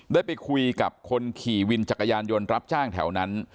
ได้ไปคุยกับคนขี่วินจักรยานยนต์รับจ้างแถวนั้น